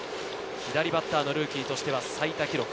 左バッターのルーキーとしては最多記録。